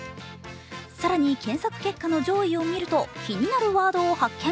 更に、検索結果の上位を見ると、気になるワードを発見。